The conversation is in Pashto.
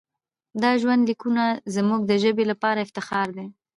دا ژوندلیکونه زموږ د ژبې لپاره افتخار دی.